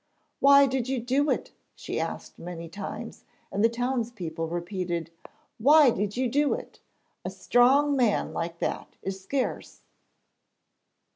'Why did you do it?' she asked many times, and the townspeople repeated,'Why did you do it? A strong man like that is scarce.'